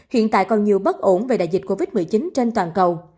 hiện tại còn nhiều bất ổn về đại dịch covid một mươi chín trên toàn cầu